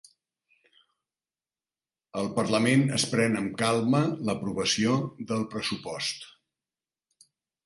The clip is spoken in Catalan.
El parlament es pren amb calma l'aprovació del pressupost